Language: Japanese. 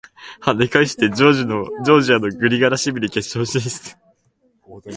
跳ね返してジョージアのグリガラシビリ決勝進出！